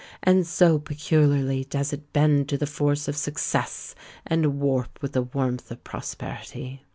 and so peculiarly does it bend to the force of success, and warp with the warmth of prosperity!